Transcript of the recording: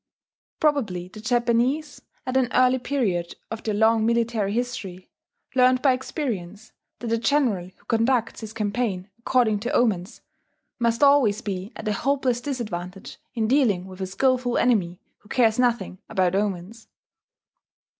Probably the Japanese, at an early period of their long military history, learned by experience that the general who conducts his campaign according to omens must always be at a hopeless disadvantage in dealing with a skilful enemy who cares nothing about omens.